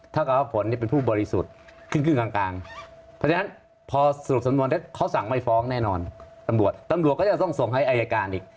ถ้ากลัวว่าผลเนี่ยเป็นผู้บริสุทธิ์ขึ้นขึ้นกลางกลางเพราะฉะนั้นพอสรุปสัมมวลเขาสั่งไม่ฟ้องแน่นอนตำบวชตำบวกก็จะต้องส่งให้อายการอีก